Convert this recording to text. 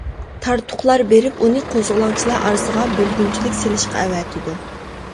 تارتۇقلار بېرىپ، ئۇنى قوزغىلاڭچىلار ئارىسىغا بۆلگۈنچىلىك سېلىشقا ئەۋەتىدۇ.